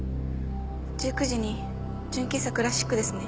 １９時に純喫茶クラシックですね。